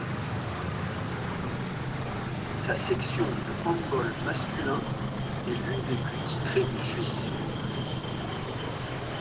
Sa section de handball masculin est l’une des plus titrées de Suisse.